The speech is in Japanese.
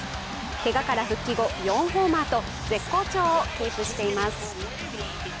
けがから復帰後、４ホーマーと絶好調をキープしています。